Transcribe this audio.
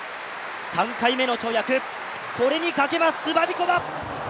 ３回目の跳躍、これにかけます、スバビコバ。